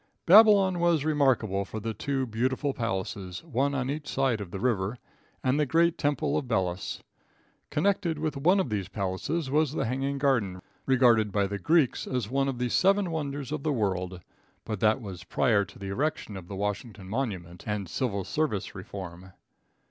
Babylon was remarkable for the two beautiful palaces, one on each side of the river, and the great temple of Belus. Connected with one of these palaces was the hanging garden, regarded by the Greeks as one of the seven wonders of the world, but that was prior to the erection of the Washington monument and civil service reform.